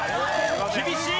厳しい！